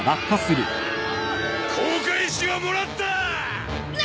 航海士はもらったァ！